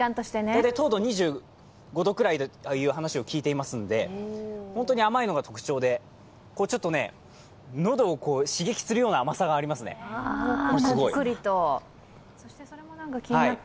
糖度２５度くらいという話を聞いていますので、本当に甘いのが特徴でちょっと喉を刺激するような甘さがありますね、すごい。